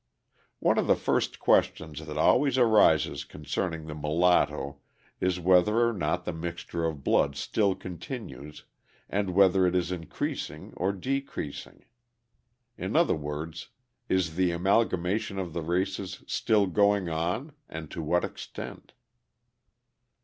_ One of the first questions that always arises concerning the mulatto is whether or not the mixture of blood still continues and whether it is increasing or decreasing. In other words, is the amalgamation of the races still going on and to what extent?